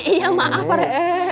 iya maaf pak re'et